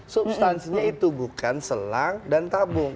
substansinya itu bukan selang dan tabung